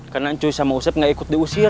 karena ncuy sama usep gak ikut diusir